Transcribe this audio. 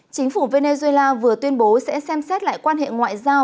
chính phủ venezuela vừa tuyên bố sẽ xem xét lại quan hệ ngoại giao